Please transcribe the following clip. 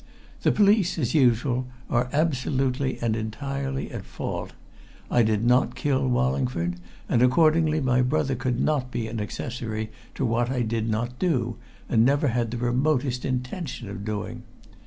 The police, as usual, are absolutely and entirely at fault I did not kill Wallingford, and accordingly my brother could not be an accessory to what I did not do and never had the remotest intention of doing.